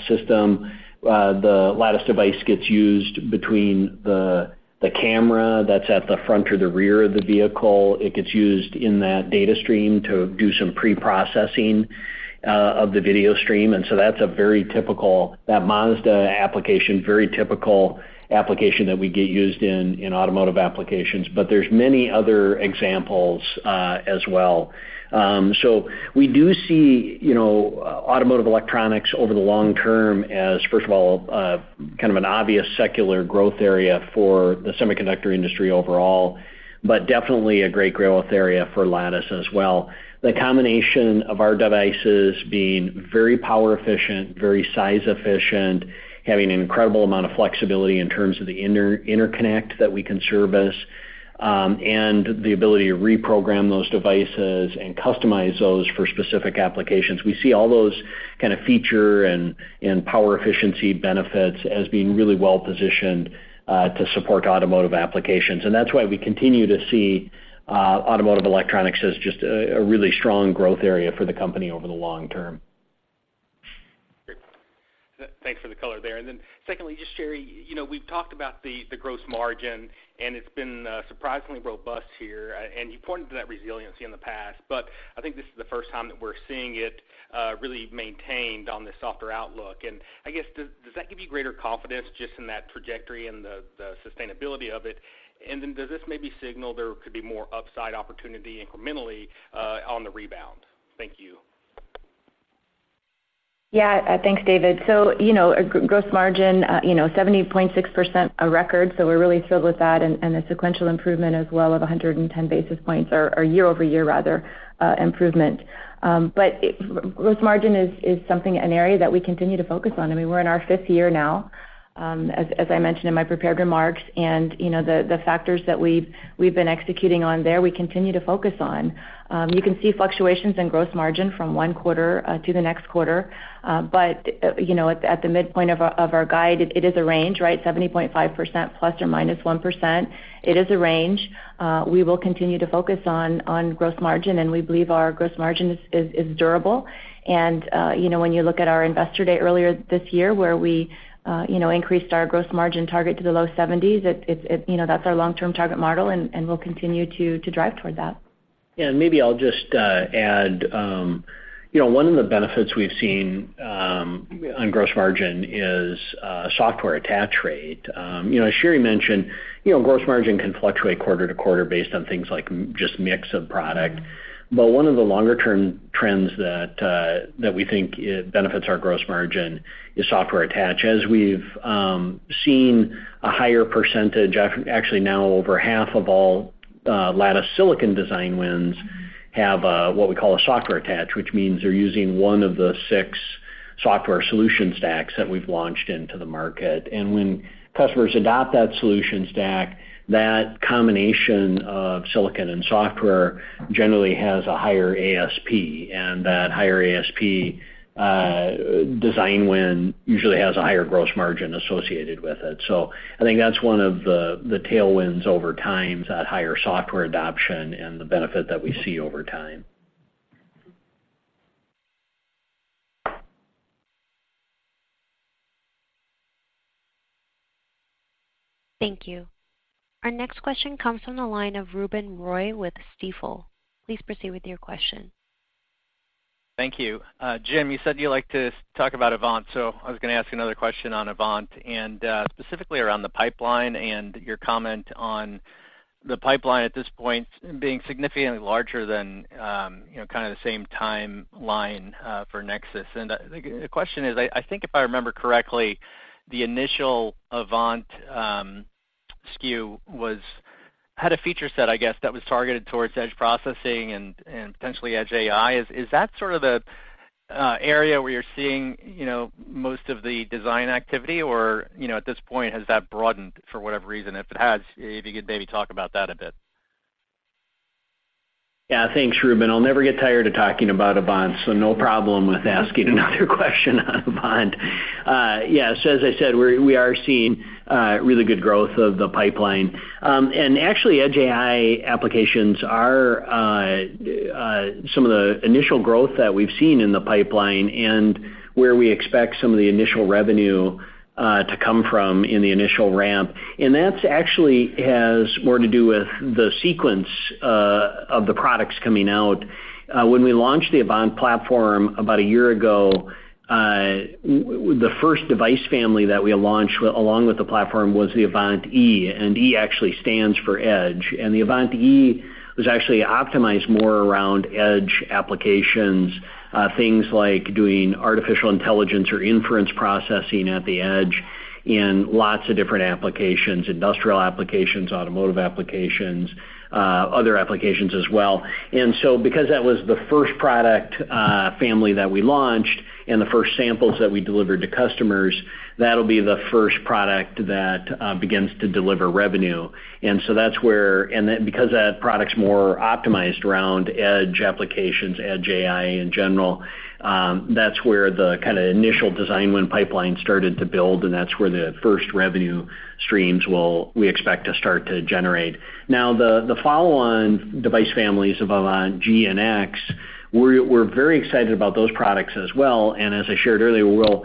system. The Lattice device gets used between the camera that's at the front or the rear of the vehicle. It gets used in that data stream to do some pre-processing of the video stream, and so that's a very typical, that Mazda application, very typical application that we get used in, in automotive applications. But there are many other examples as well. So we do see, you know, automotive electronics over the long term as, first of all, kind of an obvious secular growth area for the semiconductor industry overall, but definitely a great growth area for Lattice as well. The combination of our devices being very power efficient, very size efficient, having an incredible amount of flexibility in terms of the interconnect that we can service, and the ability to reprogram those devices and customize those for specific applications. We see all those kind of feature and power efficiency benefits as being really well-positioned to support automotive applications, and that's why we continue to see automotive electronics as just a really strong growth area for the company over the long term. Great. Thanks for the color there. And then secondly, just Sherri, you know, we've talked about the gross margin, and it's been surprisingly robust here, and you pointed to that resiliency in the past, but I think this is the first time that we're seeing it really maintained on the softer outlook. And I guess, does that give you greater confidence just in that trajectory and the sustainability of it? And then does this maybe signal there could be more upside opportunity incrementally on the rebound? Thank you. Yeah. Thanks, David. So, you know, gross margin, you know, 70.6%, a record, so we're really thrilled with that, and the sequential improvement as well of 110 basis points or year over year, rather, improvement. But gross margin is something, an area that we continue to focus on. I mean, we're in our fifth year now, as I mentioned in my prepared remarks, and, you know, the factors that we've been executing on there, we continue to focus on. You can see fluctuations in gross margin from one quarter to the next quarter, but you know, at the midpoint of our guide, it is a range, right? 70.5% ±1%. It is a range. We will continue to focus on gross margin, and we believe our gross margin is durable. You know, when you look at our Investor Day earlier this year, where we, you know, increased our gross margin target to the low 70s%, it, you know, that's our long-term target model, and we'll continue to drive toward that. Yeah, and maybe I'll just add, you know, one of the benefits we've seen on gross margin is software attach rate. You know, as Sherri mentioned, you know, gross margin can fluctuate quarter to quarter based on things like just mix of product. But one of the longer-term trends that we think it benefits our gross margin is software attach. As we've seen a higher percentage, actually now, over half of all Lattice silicon design wins have what we call a software attach, which means they're using one of the six software solution stacks that we've launched into the market. And when customers adopt that solution stack, that combination of silicon and software generally has a higher ASP, and that higher ASP design win usually has a higher gross margin associated with it. So I think that's one of the tailwinds over time is that higher software adoption and the benefit that we see over time. Thank you. Our next question comes from the line of Ruben Roy with Stifel. Please proceed with your question. Thank you. Jim, you said you like to talk about Avant, so I was gonna ask another question on Avant, and specifically around the pipeline and your comment on the pipeline at this point being significantly larger than, you know, kind of the same timeline for Nexus. And the question is, I think if I remember correctly, the initial Avant SKU was - had a feature set, I guess, that was targeted towards edge processing and potentially Edge AI. Is that sort of the area where you're seeing, you know, most of the design activity? Or, you know, at this point, has that broadened for whatever reason? If it has, if you could maybe talk about that a bit. Yeah. Thanks, Ruben. I'll never get tired of talking about Avant, so no problem with asking another question on Avant. Yes, so as I said, we are seeing really good growth of the pipeline. And actually, Edge AI applications are some of the initial growth that we've seen in the pipeline and where we expect some of the initial revenue to come from in the initial ramp. And that's actually has more to do with the sequence of the products coming out. When we launched the Avant platform about a year ago, the first device family that we launched along with the platform was the Avant-E, and E actually stands for Edge. The Avant-E was actually optimized more around edge applications, things like doing artificial intelligence or inference processing at the edge in lots of different applications, industrial applications, automotive applications, other applications as well. And so because that was the first product family that we launched and the first samples that we delivered to customers, that'll be the first product that begins to deliver revenue. And so that's where, and then, because that product's more optimized around edge applications, edge AI in general, that's where the kind of initial design win pipeline started to build, and that's where the first revenue streams will we expect to start to generate. Now, the follow-on device families of Avant-G and Avant-X. We're very excited about those products as well, and as I shared earlier, we'll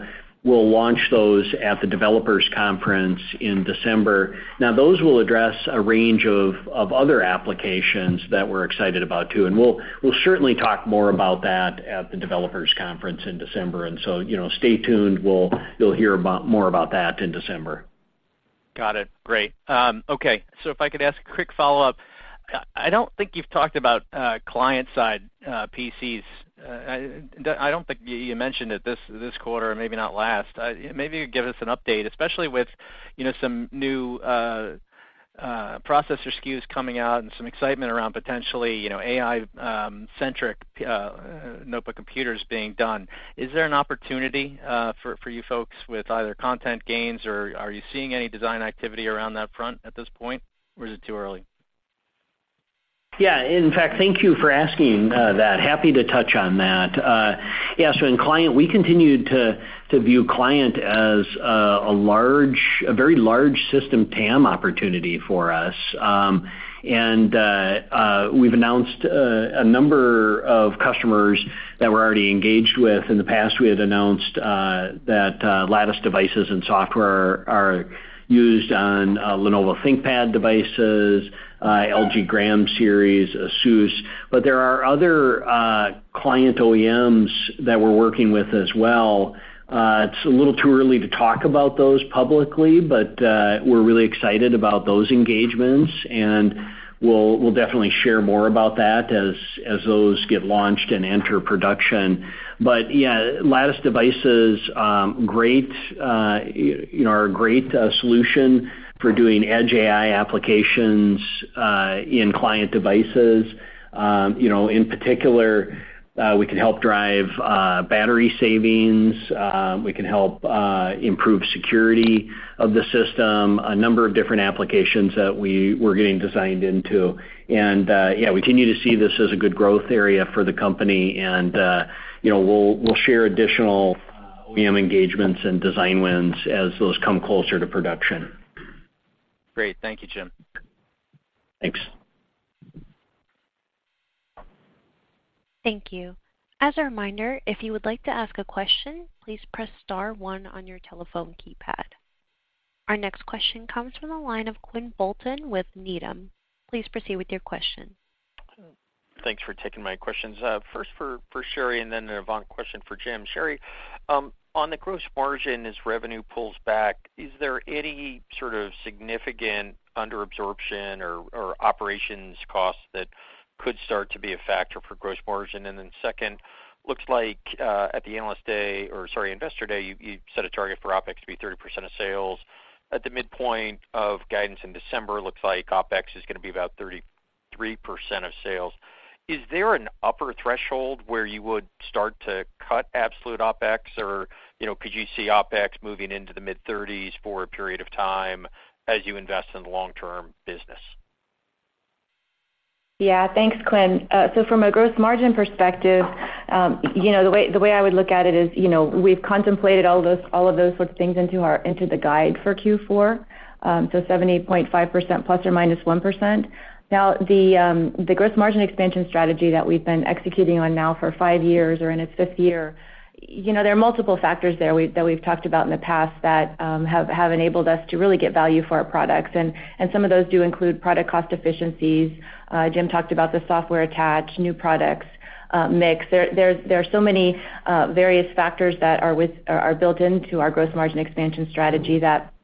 launch those at the Developers Conference in December. Now, those will address a range of other applications that we're excited about, too, and we'll certainly talk more about that at the Developers Conference in December. And so, you know, stay tuned. You'll hear more about that in December. Got it. Great. Okay, so if I could ask a quick follow-up. I don't think you've talked about client-side PCs. I don't think you mentioned it this quarter, or maybe not last. Maybe you give us an update, especially with, you know, some new processor SKUs coming out and some excitement around potentially, you know, AI-centric notebook computers being done. Is there an opportunity for you folks with either content gains, or are you seeing any design activity around that front at this point, or is it too early? Yeah. In fact, thank you for asking, that. Happy to touch on that. Yeah, so in client, we continued to view client as a large, a very large system TAM opportunity for us. And we've announced a number of customers that we're already engaged with. In the past, we had announced that Lattice devices and software are used on Lenovo ThinkPad devices, LG gram series, ASUS. But there are other client OEMs that we're working with as well. It's a little too early to talk about those publicly, but we're really excited about those engagements, and we'll definitely share more about that as those get launched and enter production. But yeah, Lattice devices, great, you know, are a great solution for doing edge AI applications in client devices. You know, in particular, we can help drive battery savings, we can help improve security of the system, a number of different applications that we're getting designed into. And, yeah, we continue to see this as a good growth area for the company, and, you know, we'll share additional OEM engagements and design wins as those come closer to production. Great. Thank you, Jim. Thanks. Thank you. As a reminder, if you would like to ask a question, please press star one on your telephone keypad. Our next question comes from the line of Quinn Bolton with Needham. Please proceed with your question. Thanks for taking my questions. First for Sherri and then an Avant question for Jim. Sherri, on the gross margin, as revenue pulls back, is there any sort of significant underabsorption or operations costs that could start to be a factor for gross margin? And then second, looks like at the Investor Day, you set a target for OpEx to be 30% of sales. At the midpoint of guidance in December, looks like OpEx is gonna be about 33% of sales. Is there an upper threshold where you would start to cut absolute OpEx, or, you know, could you see OpEx moving into the mid-thirties for a period of time as you invest in the long-term business? Yeah. Thanks, Quinn. So from a gross margin perspective, you know, the way, the way I would look at it is, you know, we've contemplated all those, all of those sort of things into our- into the guide for Q4, so 70.5% ±1%. Now, the gross margin expansion strategy that we've been executing on now for five years or in its fifth year, you know, there are multiple factors there that we've talked about in the past that have enabled us to really get value for our products, and some of those do include product cost efficiencies. Jim talked about the software attach, new products, mix. There are so many various factors that are built into our gross margin expansion strategy that,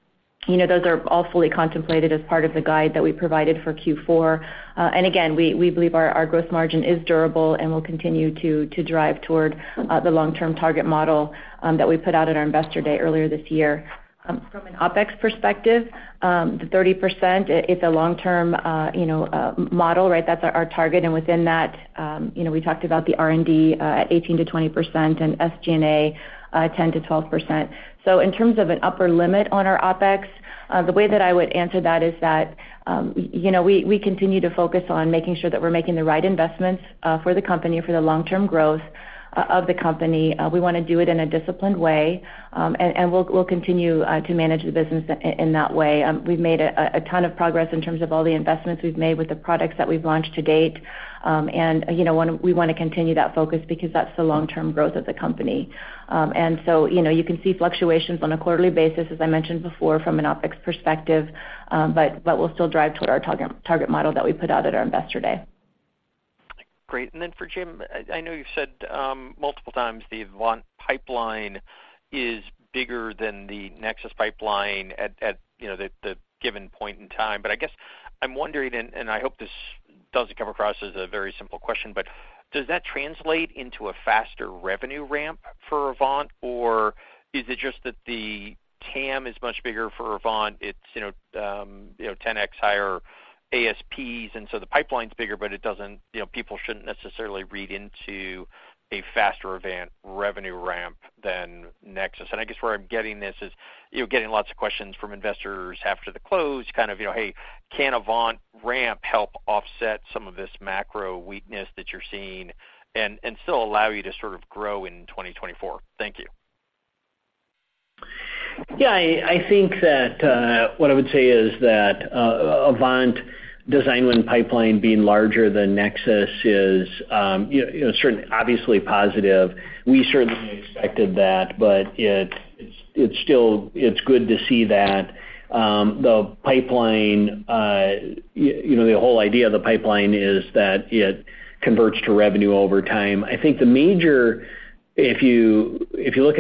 you know, those are all fully contemplated as part of the guide that we provided for Q4. And again, we believe our gross margin is durable and will continue to drive toward the long-term target model that we put out at our Investor Day earlier this year. From an OpEx perspective, the 30%, it's a long-term, you know, model, right? That's our target, and within that, you know, we talked about the R&D at 18%-20% and SG&A 10%-12%. So in terms of an upper limit on our OpEx, the way that I would answer that is that, you know, we continue to focus on making sure that we're making the right investments for the company, for the long-term growth of the company. We wanna do it in a disciplined way, and we'll continue to manage the business in that way. We've made a ton of progress in terms of all the investments we've made with the products that we've launched to date. And, you know, we wanna continue that focus because that's the long-term growth of the company. And so, you know, you can see fluctuations on a quarterly basis, as I mentioned before, from an OpEx perspective, but we'll still drive toward our target model that we put out at our Investor Day. Great. And then for Jim, I know you've said multiple times, the Avant pipeline is bigger than the Nexus pipeline at, you know, the given point in time. But I guess I'm wondering, and I hope this doesn't come across as a very simple question, but does that translate into a faster revenue ramp for Avant, or is it just that the TAM is much bigger for Avant? It's, you know, you know, 10x higher ASPs, and so the pipeline's bigger, but it doesn't— you know, people shouldn't necessarily read into a faster Avant revenue ramp than Nexus. I guess where I'm getting this is, you're getting lots of questions from investors after the close, kind of, you know, "Hey, can Avant ramp help offset some of this macro weakness that you're seeing and, and still allow you to sort of grow in 2024?" Thank you.... Yeah, I think that what I would say is that Avant design win pipeline being larger than Nexus is, you know, certainly obviously positive. We certainly expected that, but it's still good to see that the pipeline, you know, the whole idea of the pipeline is that it converts to revenue over time. I think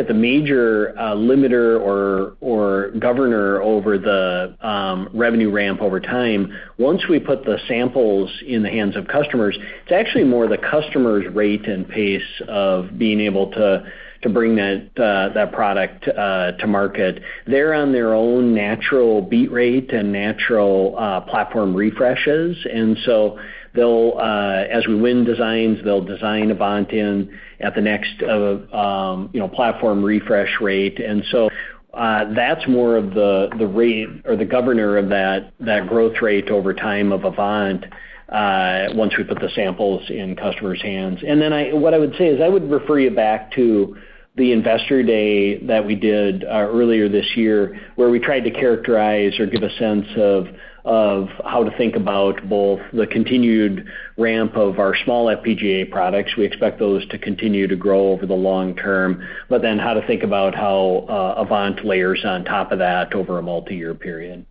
the major limiter or governor over the revenue ramp over time, once we put the samples in the hands of customers, it's actually more the customer's rate and pace of being able to bring that product to market. They're on their own natural beat rate and natural platform refreshes. And so they'll, as we win designs, they'll design Avant in at the next, you know, platform refresh rate. And so, that's more of the rate or the governor of that growth rate over time of Avant, once we put the samples in customers' hands. And then, what I would say is I would refer you back to the Investor Day that we did, earlier this year, where we tried to characterize or give a sense of how to think about both the continued ramp of our small FPGA products. We expect those to continue to grow over the long term, but then how to think about how Avant layers on top of that over a multiyear period.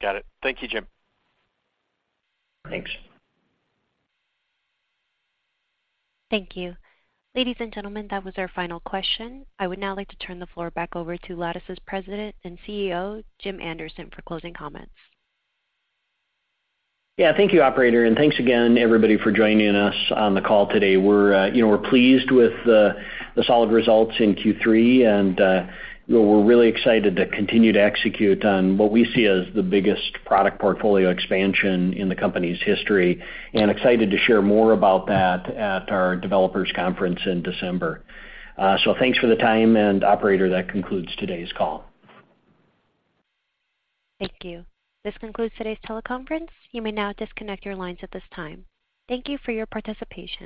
Got it. Thank you, Jim. Thanks. Thank you. Ladies and gentlemen, that was our final question. I would now like to turn the floor back over to Lattice's President and CEO, Jim Anderson, for closing comments. Yeah, thank you, operator, and thanks again, everybody, for joining us on the call today. We're, you know, we're pleased with the solid results in Q3, and, we're really excited to continue to execute on what we see as the biggest product portfolio expansion in the company's history, and excited to share more about that at our Developers Conference in December. So thanks for the time, and operator, that concludes today's call. Thank you. This concludes today's teleconference. You may now disconnect your lines at this time. Thank you for your participation.